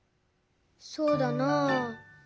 そうだなあ。